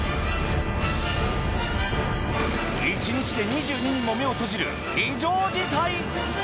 １日で２２人も目を閉じる異常事態。